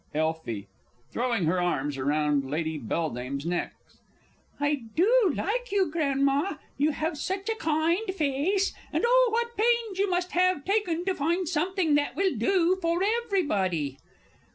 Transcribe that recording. Elfie (throwing her arms around Lady B.'s neck). I do like you, Grandma, you have such a kind face! And oh, what pains you must have taken to find something that will do for everybody!